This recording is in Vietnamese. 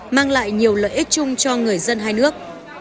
mang lại nhiều lợi ích chung cho người dân hai nước